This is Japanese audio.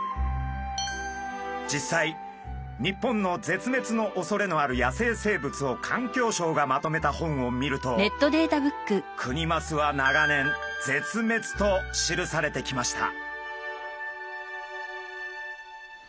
実際日本の絶滅のおそれのある野生生物を環境省がまとめた本を見るとクニマスは長年「絶滅」と記されてきました。